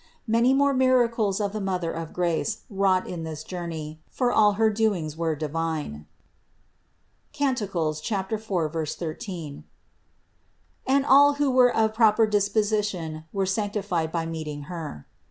Many more miracles the Mother of grace wrought in this journey, for all her doings were divine (Cant. 4, 13), and all who were of proper disposition were sanctified by meeting Her.